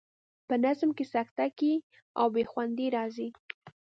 په نظم کې سکته ګي او بې خوندي راځي.